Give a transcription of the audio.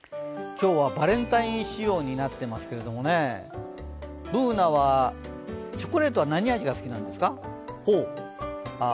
今日はバレンタイン仕様になっていますけれども、Ｂｏｏｎａはチョコレートは何味が好きなんですか？